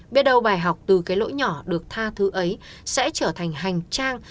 biết đâu bài học từ cái lỗi nhỏ được tha thứ ấy sẽ trở thành hành trang